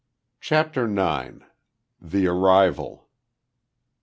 CHAPTER NINE. THE ARRIVAL.